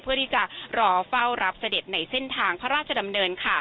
เพื่อที่จะรอเฝ้ารับเสด็จในเส้นทางพระราชดำเนิน